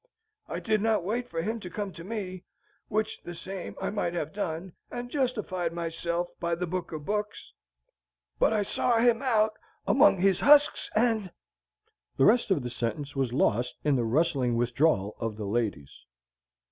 I did not wait for him to come to me, which the same I might have done, and justified myself by the Book of books, but I sought him out among his husks, and " (the rest of the sentence was lost in the rustling withdrawal of the ladies).